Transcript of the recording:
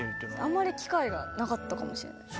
あんまり機会がなかったかもしれないです。